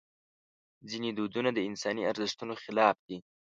ځینې دودونه د انساني ارزښتونو خلاف دي.